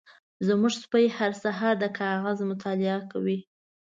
زمونږ سپی هر سهار د کاغذ مطالعه کوي.